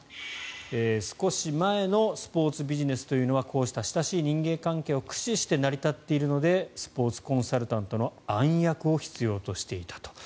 少し前のスポーツビジネスというのはこうした親しい人間関係を駆使して成り立っているのでスポーツコンサルタントの暗躍を必要としていたと。